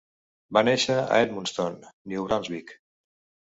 Va néixer a Edmundston, New Brunswick.